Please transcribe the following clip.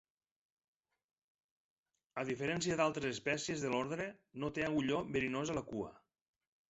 A diferència d'altres espècies de l'ordre, no té agulló verinós a la cua.